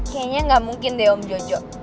kayaknya gak mungkin deh om jojo